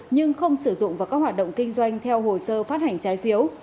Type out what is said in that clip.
nhưng không sử dụng vào các hoạt động kinh doanh theo hồ sơ phát hành trái phiếu